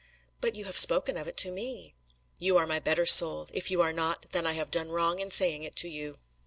"But you have spoken of it to me!" "You are my better soul. If you are not, then I have done wrong in saying it to you."